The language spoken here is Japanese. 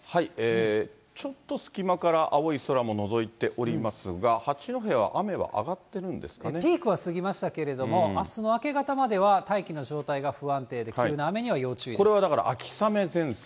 ちょっと隙間から青い空ものぞいておりますが、ピークは過ぎましたけれども、あすの明け方までは大気の状態が不安定で、これはだから秋雨前線。